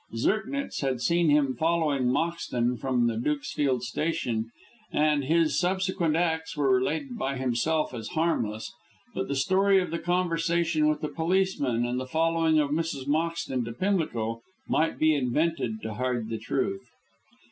Zirknitz had seen him following Moxton from the Dukesfield Station, and his subsequent acts were related by himself as harmless; but the story of the conversation with the policeman and the following of Mrs. Moxton to Pimlico might be invented to hide the truth.